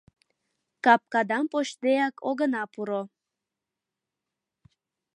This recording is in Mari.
Капкадам почдеак огына пуро.